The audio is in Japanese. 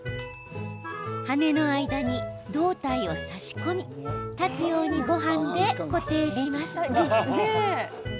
羽の間に胴体を差し込み立つように、ごはんで固定します。